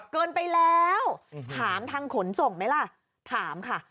เกินไปแล้วถามทางขนส่งไหมล่ะถามค่ะ